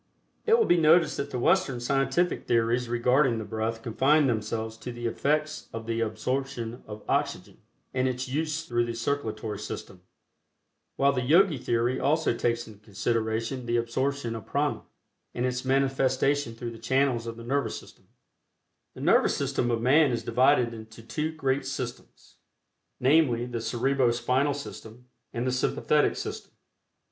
It will be noticed that the Western scientific theories regarding the breath confine themselves to the effects of the absorption of oxygen, and its use through the circulatory system, while the Yogi theory also takes into consideration the absorption of Prana, and its manifestation through the channels of the Nervous System. Before proceeding further, it may be as well to take a hasty glance at the Nervous System. The Nervous System of man is divided into two great systems, viz., the Cerebro Spinal System and the Sympathetic System.